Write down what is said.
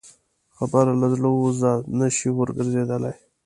خبره له زړه ووځه، نه شې ورګرځېدلی.